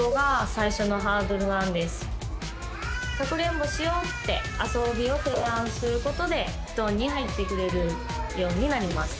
かくれんぼしようってあそびを提案することで布団に入ってくれるようになりました。